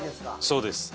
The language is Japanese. そうです。